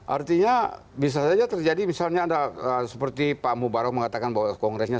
artinya bisa saja terjadi misalnya ada seperti pak mubaro mengatakan bahwa kongresnya